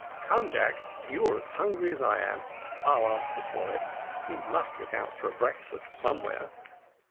Come, Jack, you are as hungry as I am, I'll answer for it; we must look out for a breakfast somewhere."